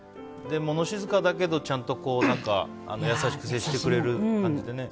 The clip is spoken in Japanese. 物静かだけどちゃんと優しく接してくれてね。